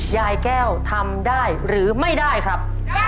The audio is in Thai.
ยายแก้วทำได้หรือไม่ได้ครับ